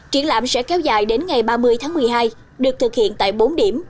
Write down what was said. triển lãm sẽ kéo dài đến ngày ba mươi tháng một mươi hai được thực hiện tại bốn điểm